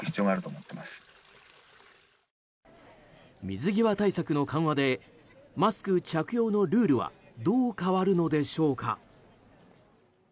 水際対策の緩和でマスク着用のルールはどう変わるのでしょうか。